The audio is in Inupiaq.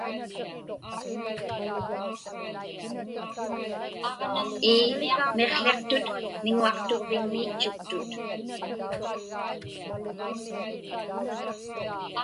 Ii, miqłiqtut miŋuaqtuġviŋmiitchuktut.